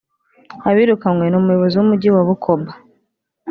Abirukanywe ni Umuyobozi w’Umujyi wa Bukoba